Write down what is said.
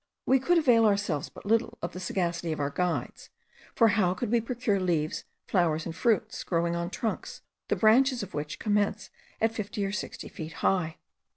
We could avail ourselves but little of the sagacity of our guides, for how could we procure leaves, flowers, and fruits growing on trunks, the branches of which commence at fifty or sixty feet high?